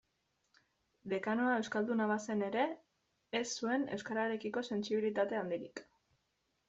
Dekanoa euskalduna bazen ere, ez zuen euskararekiko sentsibilitate handirik.